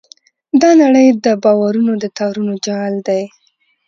دا نړۍ د باورونو د تارونو جال دی.